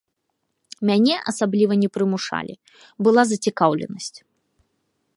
Мяне асабліва не прымушалі, была зацікаўленасць.